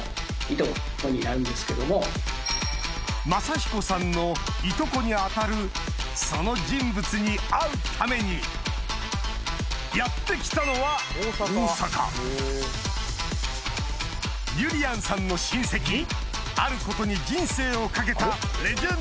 雅彦さんのいとこに当たるその人物に会うためにやって来たのはゆりやんさんの親戚あることに人生を懸けたレジェンドとは？